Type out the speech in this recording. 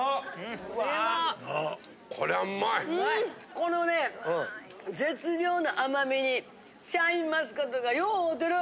・このね絶妙な甘みにシャインマスカットがよう合うてる。